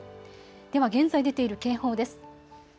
では現在、出ている警報です。